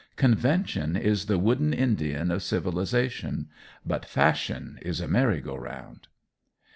Convention is the wooden Indian of civilization; but fashion is a merry go round.